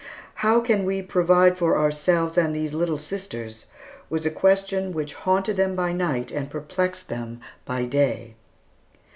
"How can we provide for ourselves and these little sisters?" was a question which haunted them by night and perplexed them by day.